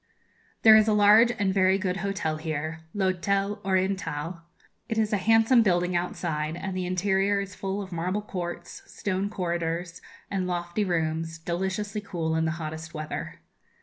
There is a large and very good hotel here, l'Hôtel Oriental. It is a handsome building outside, and the interior is full of marble courts, stone corridors, and lofty rooms, deliciously cool in the hottest weather.